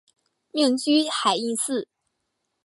命居海印寺。